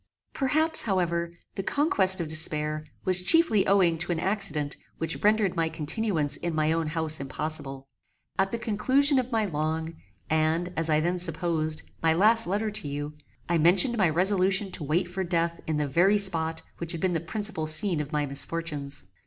Perhaps, however, the conquest of despair was chiefly owing to an accident which rendered my continuance in my own house impossible. At the conclusion of my long, and, as I then supposed, my last letter to you, I mentioned my resolution to wait for death in the very spot which had been the principal scene of my misfortunes.